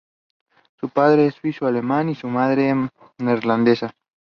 Su padre es suizo-alemán y su madre, neerlandesa.